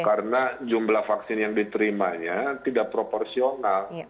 karena jumlah vaksin yang diterimanya tidak proporsional